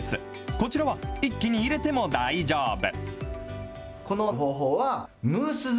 こちらは一気に入れても大丈夫。